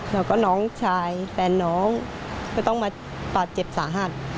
แล้วก็น้องชายแฟนน้องก็ต้องมาบาดเจ็บสาหัส